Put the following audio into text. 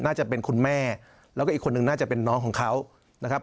น่าจะเป็นคุณแม่แล้วก็อีกคนนึงน่าจะเป็นน้องของเขานะครับ